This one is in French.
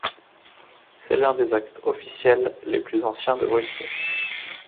C'est l'un des actes officiels les plus anciens de Russie.